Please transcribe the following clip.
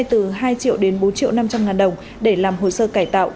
từ hai triệu đến bốn triệu năm trăm linh ngàn đồng để làm hồ sơ cải tạo